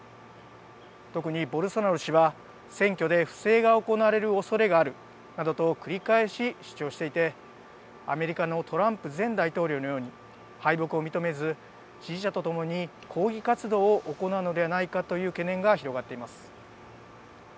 特に、ボルソナロ氏は選挙で不正が行われるおそれがあるなどと繰り返し主張していてアメリカのトランプ前大統領のように敗北を認めず支持者と共に抗議活動を行うのではないかという懸念が広がっています。